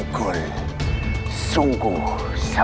kamu tak bisa